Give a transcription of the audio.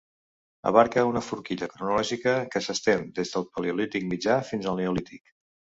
Abarca una forquilla cronològica que s'estén des del paleolític mitjà fins al neolític.